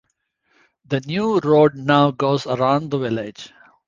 The new road now goes around the village.